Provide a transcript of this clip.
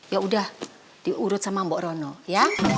yaudah diurut sama mbok rono ya